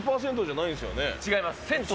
違います。